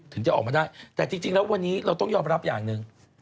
ถึงจะออกมาได้แต่จริงแล้ววันนี้เราต้องยอมรับอย่างหนึ่ง